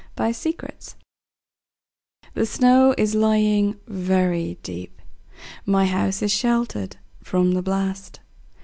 Convention THE SNOW is lying very deep.My house is sheltered from the blast.